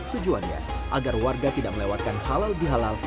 tujuannya agar warga tidak melewatkan halal bihalal